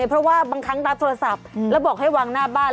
เพราะว่าบางครั้งรับโทรศัพท์แล้วบอกให้วางหน้าบ้าน